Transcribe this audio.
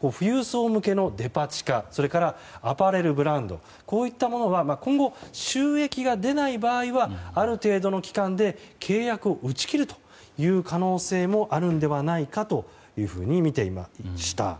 富裕層向けのデパ地下それからアパレルブランドこういったものが今後、収益が出ない場合はある程度の期間で契約を打ち切る可能性もあるのではないかとみていました。